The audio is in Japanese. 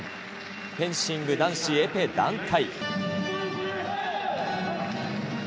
フェンシング男子エペ団体。